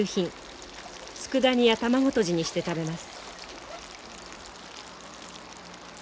つくだ煮や卵とじにして食べます。